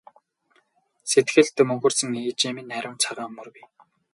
Сэтгэлд мөнхөрсөн ээжийн минь ариун цагаан мөр бий!